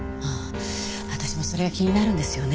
私もそれが気になるんですよね。